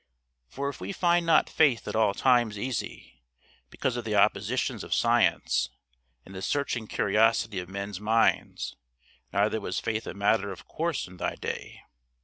For if we find not Faith at all times easy, because of the oppositions of Science, and the searching curiosity of men's minds, neither was Faith a matter of course in thy day.